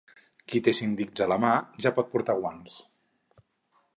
Qui té cinc dits a les mans, ja pot portar guants.